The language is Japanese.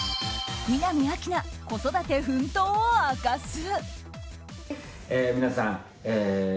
南明奈、子育て奮闘を明かす。